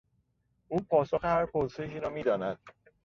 او پاسخ هر پرسشی را میداند.